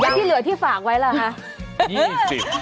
แล้วที่เหลือที่ฝากไว้ล่ะฮะยี่สิบ